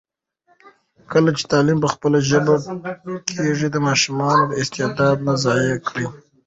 کله چي تعلیم په خپله ژبه کېږي، د ماشومانو استعداد نه ضایع کېږي.